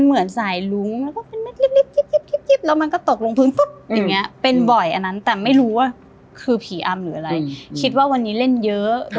อุ้ยอาจจะน่ากลัวนะไม่น่ากลัวเหรอ